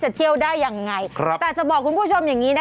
สวัสดีคุณชิสานะฮะสวัสดีคุณชิสานะฮะสวัสดีคุณชิสานะฮะ